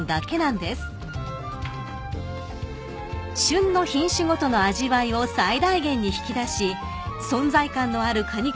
［旬の品種ごとの味わいを最大限に引き出し存在感のある果肉が３つも入った逸品に仕上げています］